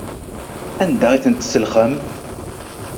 Anda ay tent-tselxem?